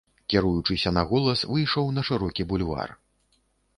Кіруючыся на голас, выйшаў на шырокі бульвар.